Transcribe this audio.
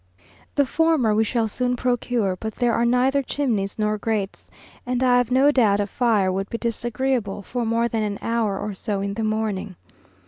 The former we shall soon procure, but there are neither chimneys nor grates, and I have no doubt a fire would be disagreeable for more than an hour or so in the morning.